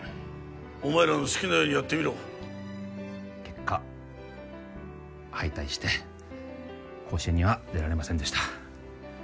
お前らの好きなようにやってみろ結果敗退して甲子園には出られませんでした